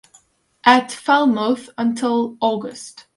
At Falmouth until August.